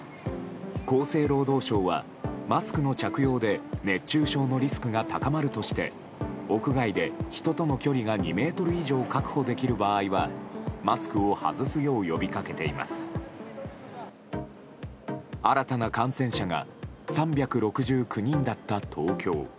厚生労働省は、マスクの着用で熱中症のリスクが高まるとして屋外で人との距離が２ｍ以上確保できる場合はマスクを外すよう呼びかけています。